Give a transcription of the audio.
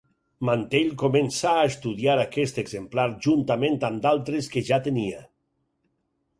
Mantell començà a estudiar aquest exemplar juntament amb d'altres que ja tenia.